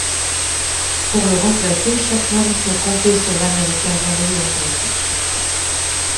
Pour le remplacer, Chapman peut compter sur l'Américain Mario Andretti.